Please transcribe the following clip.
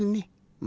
うん。